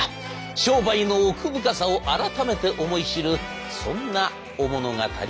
商売の奥深さを改めて思い知るそんなお物語でございました。